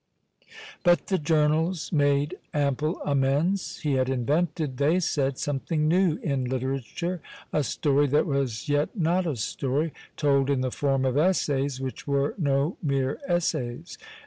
But the journals made ample amends. He had invented, they said, something new in literature, a story that was yet not a story, told in the form of essays which were no mere essays.